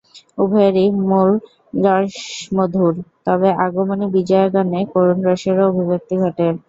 উভয়েরই মূল রস মধুর, তবে আগমনী-বিজয়া গানে করুণ রসেরও অভিব্যক্তি ঘটে।